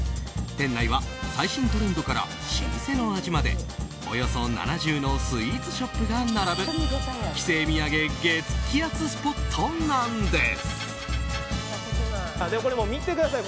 店内は最新トレンドから老舗の味までおよそ７０のスイーツショップが並ぶ帰省土産激アツスポットなんです。